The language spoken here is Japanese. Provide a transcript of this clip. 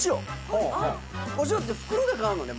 お塩って袋で買うのね